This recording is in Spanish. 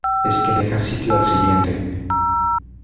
es que deja sitio al siguiente.